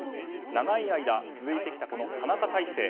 長い間続いてきた田中体制